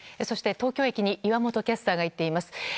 そして東京駅に岩本キャスターが行っています。